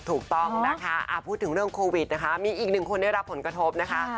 ถูกต้องนะคะพูดถึงเรื่องโควิดนะคะมีอีกหนึ่งคนได้รับผลกระทบนะคะ